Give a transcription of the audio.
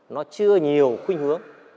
nó chưa nhiều khuyên hướng